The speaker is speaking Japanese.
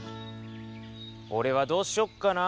おれはどうしよっかな。